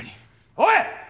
おい！